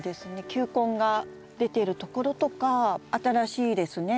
球根が出ているところとか新しいですね